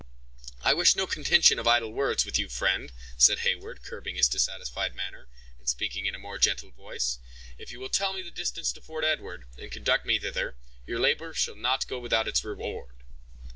"I wish no contention of idle words with you, friend," said Heyward, curbing his dissatisfied manner, and speaking in a more gentle voice; "if you will tell me the distance to Fort Edward, and conduct me thither, your labor shall not go without its reward."